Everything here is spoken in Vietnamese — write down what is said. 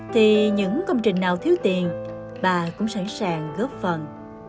thì những công trình nào thiếu tiền bà cũng sẵn sàng góp phần